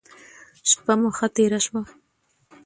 شپه مو ښه تیره شوه.